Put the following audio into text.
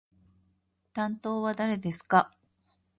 担当は誰ですか？